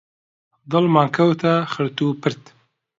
دڵمان کەوتە خرت و پرت